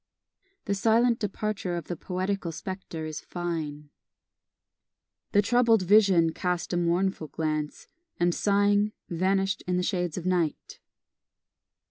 The silent departure of the poetical spectre is fine: The troubled vision cast a mournful glance, And sighing, vanish'd in the shades of night.